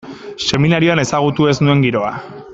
Seminarioan ezagutu ez nuen giroa.